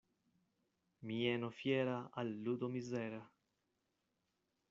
Mieno fiera al ludo mizera.